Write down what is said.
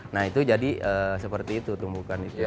nah itu jadi seperti itu tumbukan itu